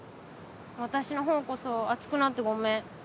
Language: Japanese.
私の方こそ熱くなってごめん。